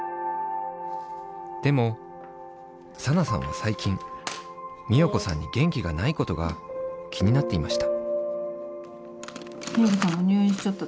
でもサナさんはさいきん美代子さんにげんきがないことが気になっていました。